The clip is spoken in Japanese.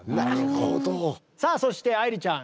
さあそして愛理ちゃん